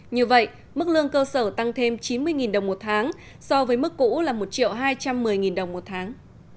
như vậy mức lương cơ sở tăng thêm chín mươi đồng một tháng so với mức cũ là một hai trăm một mươi đồng một tháng